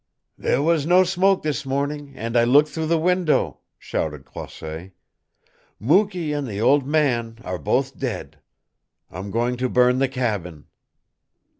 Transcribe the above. "There was no smoke this morning, and I looked through the window," shouted Croisset. "Mukee and the old man are both dead. I'm going to burn the cabin."